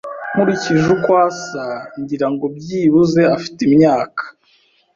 Nkurikije uko asa, ngira ngo byibuze afite imyaka .